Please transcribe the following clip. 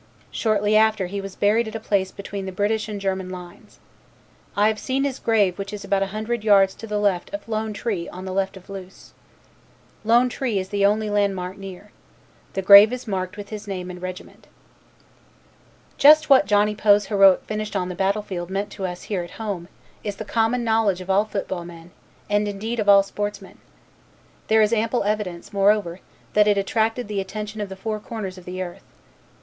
Shortly after he was buried at a place between the British and German lines. I have seen his grave which is about a hundred yards to the left of 'Lone Tree' on the left of Loos. 'Lone Tree' is the only landmark near. The grave is marked with his name and regiment. Just what Johnny Poe's heroic finish on the battle field meant to us here at home is the common knowledge of all football men and indeed of all sportsmen. There is ample evidence, moreover, that it attracted the attention of the four corners of the earth.